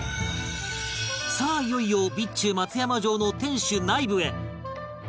さあいよいよ備中松山城の天守内部へ！